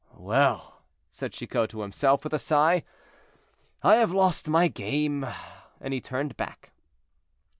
"Well!" said Chicot to himself, with a sigh; "I have lost my game," and he turned back.